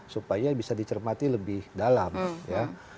supaya bisa dicermati lebih dalam ya